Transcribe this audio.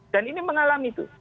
dan ini mengalami itu